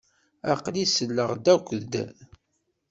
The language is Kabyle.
Aql-i selleɣ-ak-d.